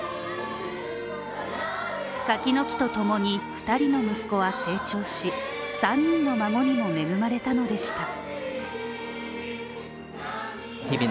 柿の木とともに、２人の息子は成長し、３人の孫にも恵まれたのでした。